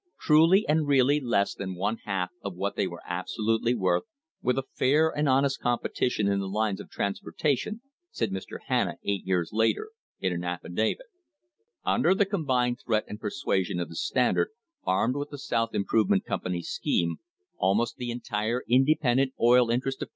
Truly and really less than one half of what they were abso utely worth, with a fair and honest competition in the lines f transportation," said Mr. Hanna, eight years later, in an ffidavit* Under the combined threat and persuasion of the Standard, rmed with the South Improvement Company scheme, almost ie entire independent oil interest of